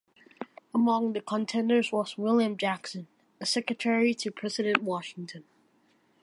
Among the contenders was William Jackson, a secretary to President Washington.